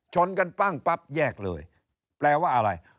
ชนกันปั้งปั๊บแยกเลยแปลว่าอะไร